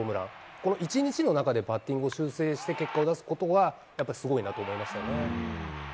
この１日の中で、バッティングを修正して結果を出すことが、やっぱりすごいなと思いますね。